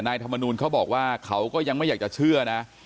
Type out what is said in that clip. ธรรมนูลเขาบอกว่าเขาก็ยังไม่อยากจะเชื่อนะ